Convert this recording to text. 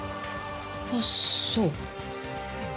あっそう。